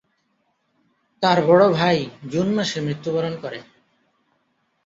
তার বড় ভাই জুন মাসে মৃত্যুবরণ করে।